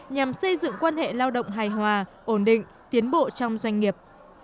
nhằm xây dựng quan hệ lao động hài hòa ổn định tiến bộ trong doanh nghiệp